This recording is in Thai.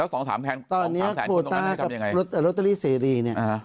ตอนนี้โคต้ากับลอตเตอรี่เสรีเนี่ย